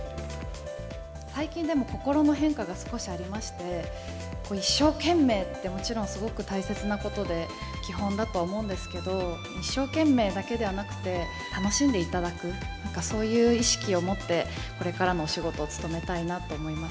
最近でも心の変化が少しありまして、一生懸命って、もちろんすごく大切なことで基本だと思うんですけど、一生懸命だけではなくて、楽しんでいただく、そういう意識を持って、これからのお仕事を務